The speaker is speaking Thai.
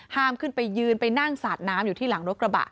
ขึ้นไปยืนไปนั่งสาดน้ำอยู่ที่หลังรถกระบะ